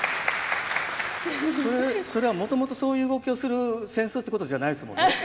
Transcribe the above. それはもともとそういう動きをする扇子ってことじゃないですもんね。